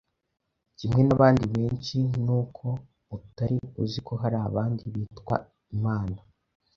kimwe n’abandi benshi, nuko utari uzi ko hari abandi bitwa imana.